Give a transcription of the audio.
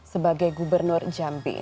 sebagai gubernur jambi